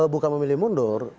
bukan memilih mundur